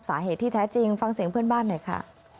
สาเหตุที่แท้จริงฟังเสียงเพื่อนบ้านหน่อยค่ะ